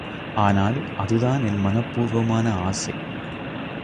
ஆனால் அதுதான் என் மனப்பூர்வமான ஆசை.